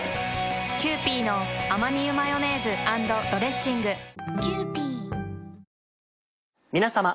キユーピーのアマニ油マヨネーズ＆ドレッシング皆さま。